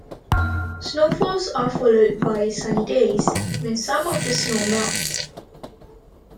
Snowfalls are followed by sunny days, when some of the snow melts.